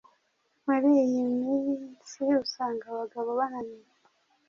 Muri iyi minsi usanga abagabo bananiwe